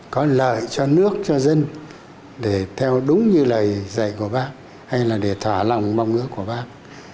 có lợi cho nước cho dân để theo đúng như lời dạy của bác hay là để thỏa lòng mong ước của bác